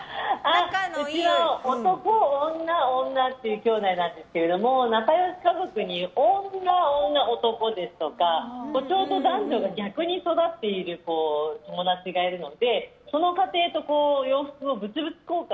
うちは、男、女、女というきょうだいなんですけど仲良し家族に女、女、男ですとかちょうど男女が逆に育っている友達がいるのでその家庭と、洋服を物々交換。